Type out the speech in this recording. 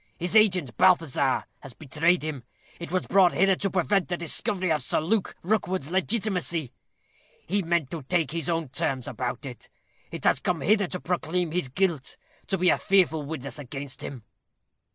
His agent, Balthazar, has betrayed him. It was brought hither to prevent the discovery of Sir Luke Rookwood's legitimacy. He meant to make his own terms about it. It has come hither to proclaim his guilt to be a fearful witness against him."